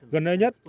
gần nơi nhất